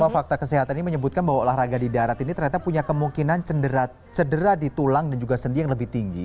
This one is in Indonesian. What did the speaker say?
fakta kesehatan ini menyebutkan bahwa olahraga di darat ini ternyata punya kemungkinan cedera di tulang dan juga sendi yang lebih tinggi